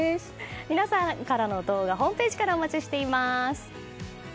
皆さんからの動画ホームページからお待ちしております。